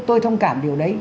tôi thông cảm điều đấy